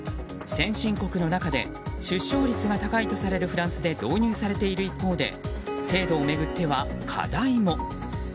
先進国の中で出生率が高いとされるフランスで導入されている一方で制度を巡っては課題も。